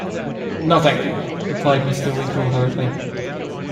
‘No, thank you,’ replied Mr. Winkle hurriedly.